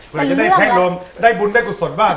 เผื่อจะได้แท๊ะโรมได้บุญได้กุศสดบ้าง